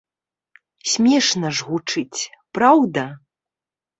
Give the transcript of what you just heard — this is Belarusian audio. Смешна ж гучыць, праўда?